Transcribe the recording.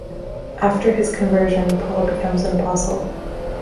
After his conversion, Paul becomes an apostle.